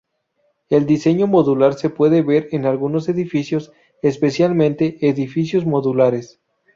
El diseño modular se puede ver en algunos edificios, especialmente edificios modulares.